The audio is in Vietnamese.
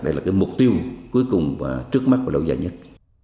đây là cái mục tiêu cuối cùng và trước mắt của đầu giai nhất